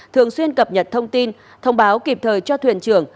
thường xuyên cập nhật thông tin thông báo kịp thời cho thuyền trưởng